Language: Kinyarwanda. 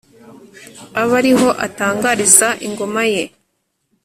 aba ari ho atangariza ingoma ye